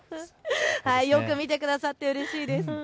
よく見てくださってうれしいです。